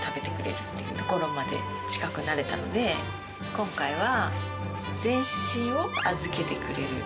今回は。